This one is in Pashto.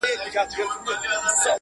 • ما منلی یې په عقل کی سردار یې -